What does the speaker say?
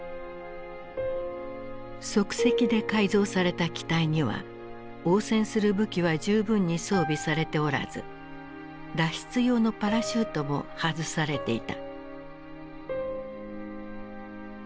即席で改造された機体には応戦する武器は十分に装備されておらず脱出用のパラシュートも外されていた。